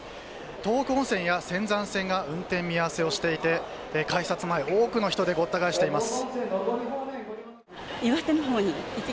東北本線や仙山線が運転見合わせをしていて改札前、多くの人でごった返しています。